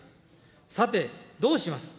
さて、どうします。